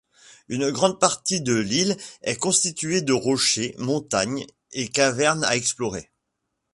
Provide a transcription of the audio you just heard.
Une grande partie de l'île est constituée de rochers, montagnes et cavernes à explorer.